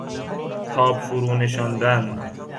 تاب فرو نشاندن